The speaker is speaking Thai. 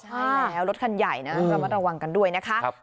ใช่แล้วรถคันใหญ่นะระมัดระวังกันด้วยนะคะ